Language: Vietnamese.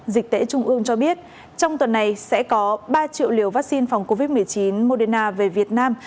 dịch tễ trung ương cho biết trong tuần này sẽ có ba triệu liều vaccine phòng covid một mươi chín moderna về việt nam